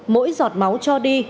mỗi giọt máu cho đi